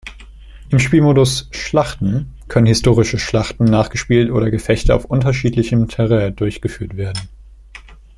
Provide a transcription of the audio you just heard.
Im Spielmodus „Schlachten“ können historische Schlachten nachgespielt oder Gefechte auf unterschiedlichem Terrain durchgeführt werden.